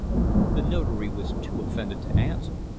The Notary was too offended to answer.